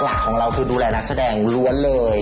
หลักของเราคือดูแลนักแสดงล้วนเลย